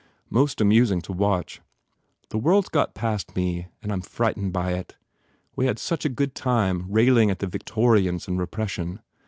Most amusing to watch. ... The world s got past me and I m frightened by it. We had such a good time rail ing at the Victorians and repression.